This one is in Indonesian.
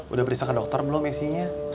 udah berisik ke dokter belum esinya